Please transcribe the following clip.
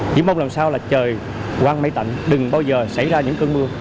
chỉ mong làm sao là trời quang mây tạnh đừng bao giờ xảy ra những cơn mưa